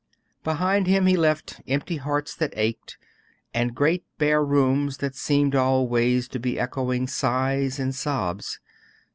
Behind him he left empty hearts that ached, and great bare rooms that seemed always to be echoing sighs and sobs.